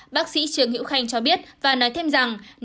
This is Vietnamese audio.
bác sĩ trường hữu khanh cho biết và nói thêm rằng